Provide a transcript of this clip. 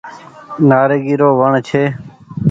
نآريگي رو وڻ ڇي